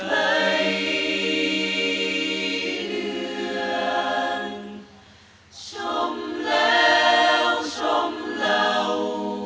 ที่เดือนชมแล้วชมเหล่า